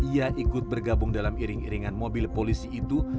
ia ikut bergabung dalam iring iringan mobil polisi itu